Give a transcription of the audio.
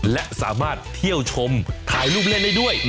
และสามารถเที่ยวชมถ่ายรูปเล่นได้ด้วย